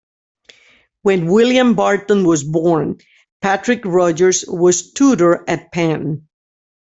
When William Barton was born, Patrick Rogers was tutor at Penn.